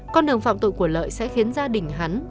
con đường phạm tội của lợi sẽ khiến gia đình hắn